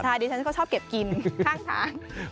ใช่ดิฉันก็ชอบเก็บกินข้างทาง